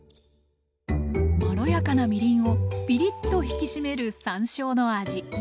まろやかなみりんをピリッと引き締める山椒の味。